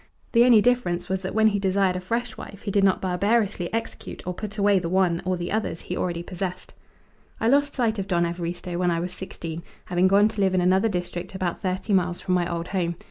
The only difference was that when he desired a fresh wife he did not barbarously execute or put away the one, or the others, he already possessed. I lost sight of Don Evaristo when I was sixteen, having gone to live in another district about thirty miles from my old home.